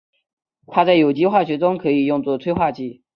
它在有机化学中可以用作催化剂。